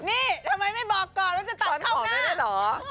นี่ทำไมไม่บอกก่อนว่าจะตัดเข้าหน้าเหรอ